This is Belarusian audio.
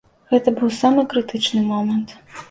Гэта быў самы крытычны момант.